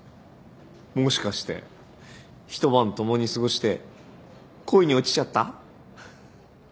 もしかして一晩共に過ごして恋に落ちちゃった？